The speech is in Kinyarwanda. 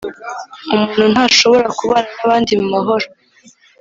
umuntu ntashobora kubana n’abandi mu mahoro,